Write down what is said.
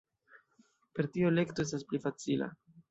Per tio elekto estas pli facila.